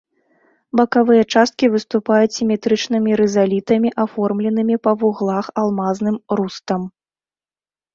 Бакавыя часткі выступаюць сіметрычнымі рызалітамі, аформленымі па вуглах алмазным рустам.